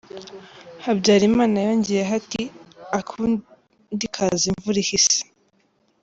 Habyarimana yongeyeho ati “Akundi kaza imvura ihise”.